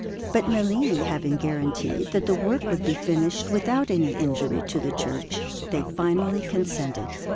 But Mellini having guaranteed that the work would be finished without any injury to the church, they finally consented.